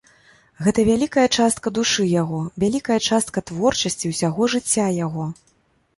Гэта вялікая частка душы яго, вялікая частка творчасці ўсяго жыцця яго.